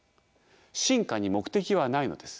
進化に目的はないのです。